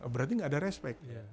berarti gak ada respect